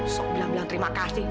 sok bilang belang terima kasih